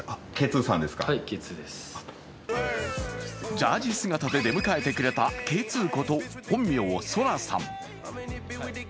ジャージー姿で出迎えてくれたＫ２こと、本名、大空さん。